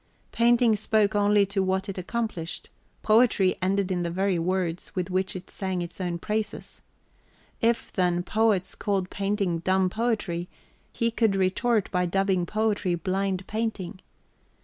Painting spoke only by what it accomplished, poetry ended in the very words with which it sang its own praises. If, then, poets called painting dumb poetry, he could retort by dubbing poetry blind painting.